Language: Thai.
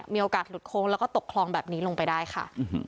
มีโอกาสหลุดโค้งแล้วก็ตกคลองแบบนี้ลงไปได้ค่ะ